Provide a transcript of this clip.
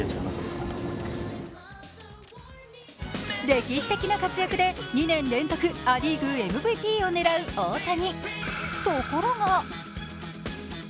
歴史的な活躍で２年連続ア・リーグＭＶＰを狙う大谷。